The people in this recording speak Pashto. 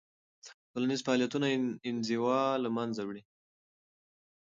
ټولنیز فعالیتونه انزوا له منځه وړي.